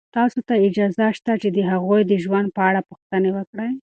تاسو ته اجازه شته چې د هغوی د ژوند په اړه پوښتنې وکړئ.